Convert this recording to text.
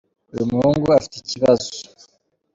uyumuhungu afitikibazo